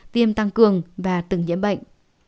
tiêm tăng cường và từng nhiễm bệnh